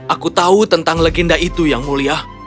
aku tahu tentang legenda itu yang mulia